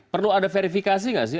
perlu ada verifikasi nggak sih